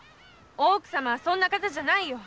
大奥様はそんな方じゃないよ。